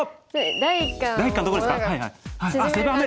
第一感どこですか？